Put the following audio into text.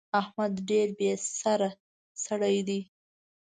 احمد ډېر بې سره سړی دی.